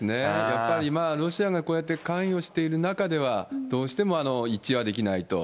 やっぱり今、ロシアがこうやって関与している中では、どうしても一致はできないと。